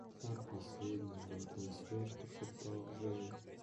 – Как – последний? – глотая слезы, прошептала Женя.